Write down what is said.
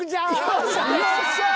よっしゃ！